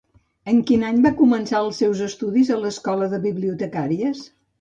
En quin any va començar els seus estudis a l'Escola de Bibliotecàries?